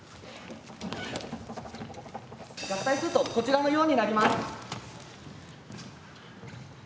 合体するとこちらのようになります。